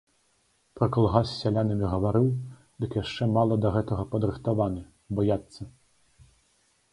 Пра калгас з сялянамі гаварыў, дык яшчэ мала да гэтага падрыхтаваны, баяцца.